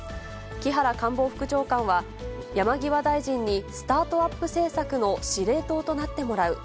木原官房副長官は、山際大臣にスタートアップ政策の司令塔となってもらう。